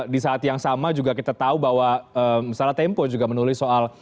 di saat yang sama juga kita tahu bahwa misalnya tempo juga menulis soal